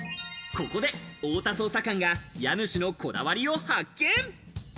ここで太田捜査官が家主のこだわりを発見。